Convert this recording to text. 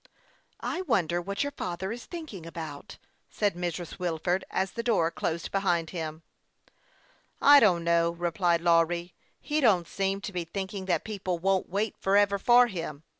" I wonder what your father is thinking about," said Mrs. Wilford, as the door closed behind him. " I don't know," replied Lawry ;" he don't seem to be thinking that people won't wait forever for him.